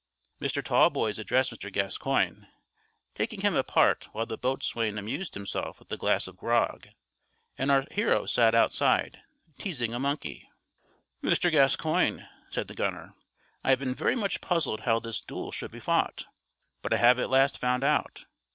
Mr. Tallboys addressed Mr. Gascoigne, taking him apart while the boatswain amused himself with a glass of grog, and our hero sat outside, teasing a monkey. "Mr. Gascoigne," said the gunner, "I have been very much puzzled how this duel should be fought, but I have at last found out.